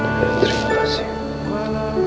walau tanpa kata